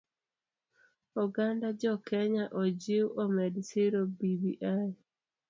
Oganda jokenya ojiw omed siro bbi.